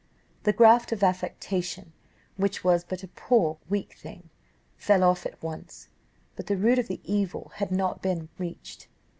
The graft of affectation, which was but a poor weak thing, fell off at once, but the root of the evil had not yet been reached.